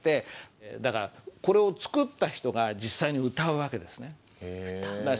だからこれを作った人が実際に歌う訳ですね。